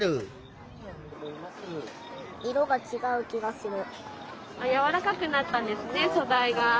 色が違う気がする。